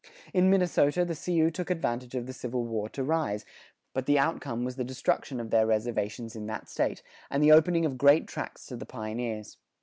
In Minnesota the Sioux took advantage of the Civil War to rise; but the outcome was the destruction of their reservations in that State, and the opening of great tracts to the pioneers.